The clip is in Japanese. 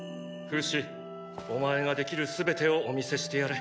フシお前ができる全てをお見せしてやれ。